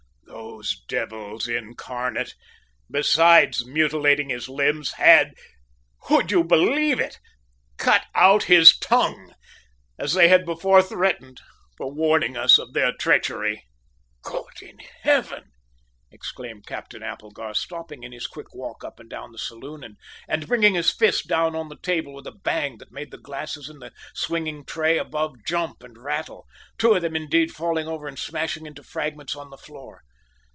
"Those devils incarnate, besides mutilating his limbs, had, would you believe it, cut out his tongue as they had before threatened, for warning us of their treachery!" "God in heaven!" exclaimed Captain Applegarth, stopping in his quick walk up and down the saloon and bringing his fist down on the table with a bang that made the glasses in the swinging tray above jump and rattle, two of them indeed falling over and smashing into fragments on the floor.